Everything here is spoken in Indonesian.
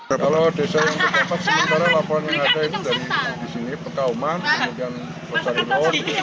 kalau desa yang terkepat seumpara laporan yang ada di sini pekauman kemudian losari lor